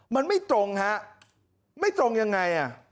มันไม่ตรงฮะไม่ตรงยังไงอ่ะ